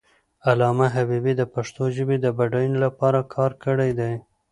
علامه حبیبي د پښتو ژبې د بډاینې لپاره کار کړی دی.